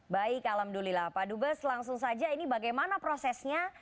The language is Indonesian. baik alhamdulillah pak dubes langsung saja ini bagaimana prosesnya